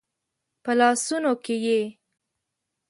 په لاسونو کې یې